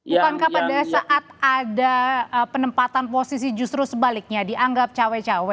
bukankah pada saat ada penempatan posisi justru sebaliknya dianggap cawe cawe